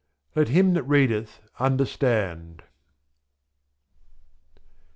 "Let him that readeth understand."